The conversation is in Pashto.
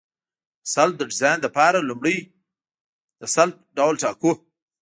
د سلب د ډیزاین لپاره لومړی د سلب ډول ټاکو